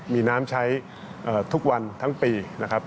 มีน้ำใช้ทุกวันทั้งปีนะครับ